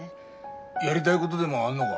やりたいごどでもあんのが？